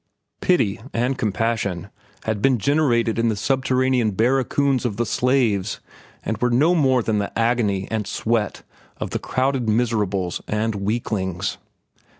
Pity and compassion had been generated in the subterranean barracoons of the slaves and were no more than the agony and sweat of the crowded miserables and weaklings.